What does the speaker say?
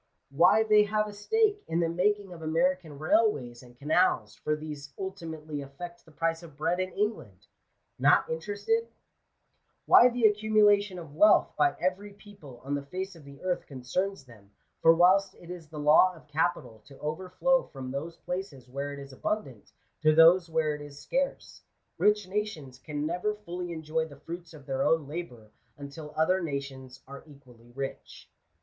Why they have a stake in the making of American railways and canals, for these ultimately affect the price of bread in England. Not interested ? Why the accumulation of wealth by every people on the face of the earth f concerns them ; for whilst it is the law of capital to overflow ; from those places where it is abundant, to those where it is , scarce, rich nations can never fully enjoy the fruits of their own labour until other nations are equally rich.